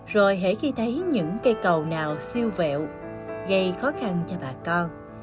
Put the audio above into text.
rồi hể khi thấy những cây cầu nào siêu vẹo gây khó khăn cho bà con